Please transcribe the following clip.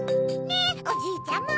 ねっおじいちゃま。